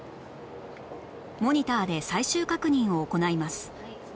モニターで最終確認を行います